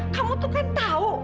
kamu tuh kan tahu